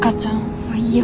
もういいよ。